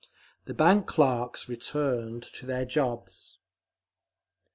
The bank clerks returned to their jobs….